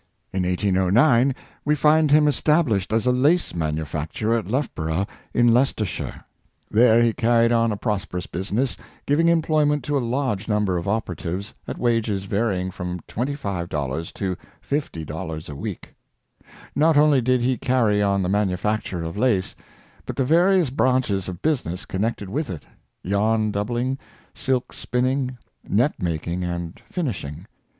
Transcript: In 1809 we find him established as a lace manufac turer at Loughborough, in Leicestershire. There he carried on a prosperous business, giving employment to a large number of operatives, at wages varying from $25 to $50 a week. Not only did he carry on the manufacture of lace, but the various branches of business connected with it, yarn doubling, silk spinning, net making and finishing.